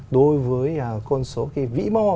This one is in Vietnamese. đối với con số vĩ mô